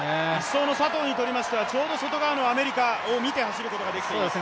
１走の佐藤にとりましてはちょうど外側のアメリカを見て走ることができています。